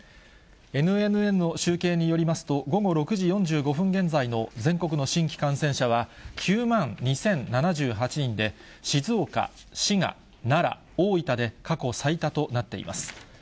ＮＮＮの集計によりますと、午後６時４５分現在の全国の新規感染者は、９万２０７８人で、静岡、滋賀、奈良、大分で過去最多となっています。